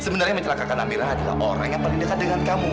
se benarnya yang mencelakkan amira adalah orang yang paling dekat dengan kamu